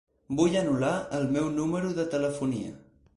Vull anul·lar el meu número de telefonia.